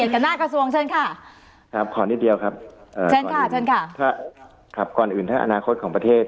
ก่อนอื่นถ้าอนาคตของประเทศ